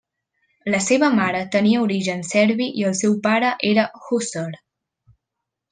La seva mare tenia origen serbi i el seu pare era hússar.